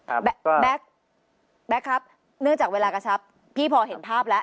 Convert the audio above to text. แบ็คแบ็คครับเนื่องจากเวลากระชับพี่พอเห็นภาพแล้ว